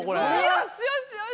よしよしよし！